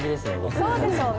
そうでしょうね。